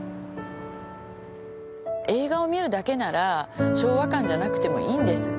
映画を見るだけなら昭和館じゃなくてもいいんです。